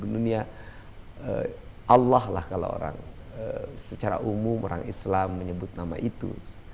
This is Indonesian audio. dunia allah lah kalau orang secara umum orang islam menyebut nama itu